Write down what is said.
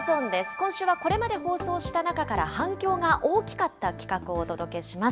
今週はこれまで放送した中から、反響が大きかった企画をお届けします。